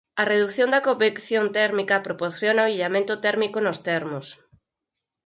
A redución da convección térmica proporciona o illamento térmico nos termos.